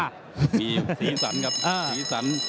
มีสีสันครับสีสัน